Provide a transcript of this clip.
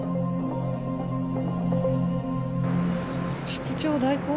室長代行？